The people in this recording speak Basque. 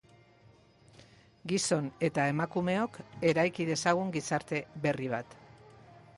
Gizon eta emakumeok eraiki dezagun gizarte berri bat.